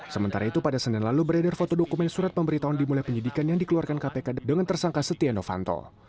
sementara itu pada senin lalu beredar foto dokumen surat pemberitahuan dimulai penyidikan yang dikeluarkan kpk dengan tersangka setia novanto